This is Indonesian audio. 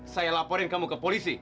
saya laporin kamu ke polisi